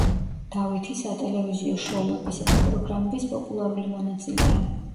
დავითი სატელევიზიო შოუებისა და პროგრამების პოპულარული მონაწილეა.